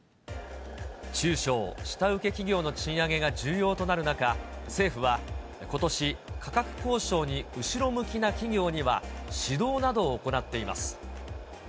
中小、下請け企業の賃上げが重要となる中、政府はことし、価格交渉に後ろ向きな企業には、指導などを行っています。